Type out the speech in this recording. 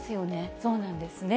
そうなんですね。